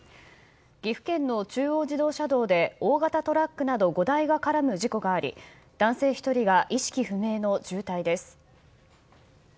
岐阜県の中央自動車道で大型トラックなど５台が絡む事故があり男性１人が意識不明の重体です。